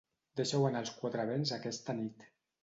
Deixa-ho anar als quatre vents aquesta nit.